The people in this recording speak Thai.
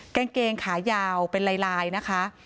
กางเกงขายาวเป็นลายนะคะ